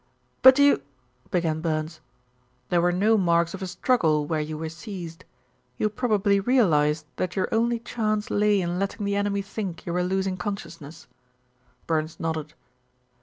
"But you " began Burns. "There were no marks of a struggle where you were seized. You probably realised that your only chance lay in letting the enemy think you were losing consciousness?" Burns nodded.